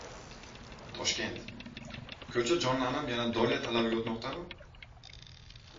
Toshkent. «Ko‘cha» jonlanib, yana «dolya» talabiga o‘tmoqdami?